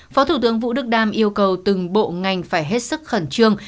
phó thủ tướng vũ đức đam yêu cầu từng bộ ngành phải hết sức khẩn trương